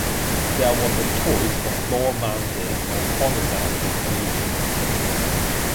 There was a choice of floor-mounted or column-mounted gear change.